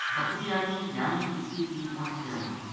بکری آنی دھیانی اس کی تھی مُچ سیانی